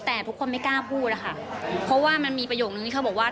แต่ทุกคนไม่กล้าพูดอะค่ะเพราะว่ามันมีประโยคนึงที่เขาบอกว่า